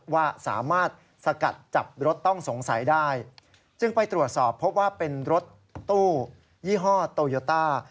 ว่าสามารถสกัดจับรถต้องสงสัยได้จึงไปตรวจสอบพบว่าเป็นรถตู้ยี่ห้อโตโยต้า